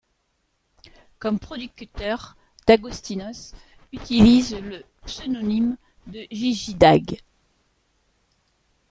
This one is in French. Comme producteur, D'Agostino's utilise le pseudonyme de Gigi D'ag.